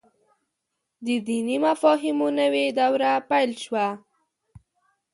د دیني مفاهیمو نوې دوره پيل شوه.